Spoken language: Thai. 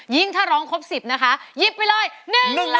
ยิงถ้าร้องครบ๑๐นะคะยิบไปเลย๑ล้านบาทครับ